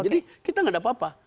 jadi kita tidak ada apa apa